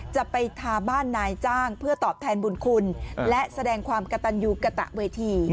จะไปทาบ้านนายจ้างเพื่อตอบแทนบุญคุณและแสดงความกระตันยูกระตะเวที